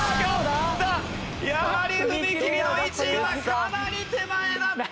やはり踏み切りの位置がかなり手前だった！